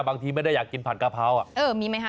บางทีไม่ได้อยากกินผัดกะเพราอ่ะ